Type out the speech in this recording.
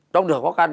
trong đời khó khăn